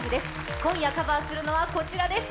今夜カバーするのはこちらです。